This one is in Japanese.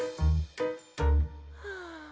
はあ。